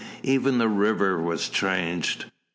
Even the river was changed.